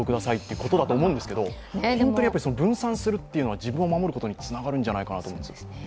いうことだとは思うんですけど本当に分散するというのは自分を守ることにつながるんじゃないかなと思うんです。